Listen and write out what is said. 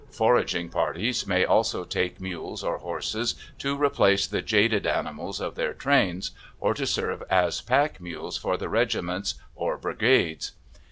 Foraging parties may also take mules or horses, to replace the jaded animals of their trains, or to serve as pack mules for the regiments or brigades.